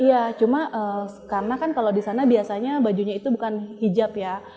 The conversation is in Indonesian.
iya cuma karena kan kalau di sana biasanya bajunya itu bukan hijab ya